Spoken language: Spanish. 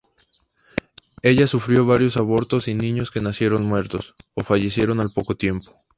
Ella sufrió varios abortos y niños que nacieron muertos, o fallecieron al poco tiempo.